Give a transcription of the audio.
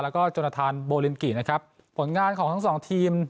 แล้วก็จนทานโบลินกินะครับผลงานของทั้งสองทีม